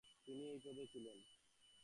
তিনি এই পদে ছিলেন।